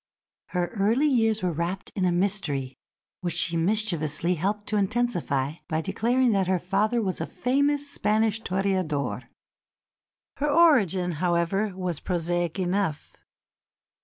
Her early years were wrapped in a mystery which she mischievously helped to intensify by declaring that her father was a famous Spanish toreador. Her origin, however, was prosaic enough.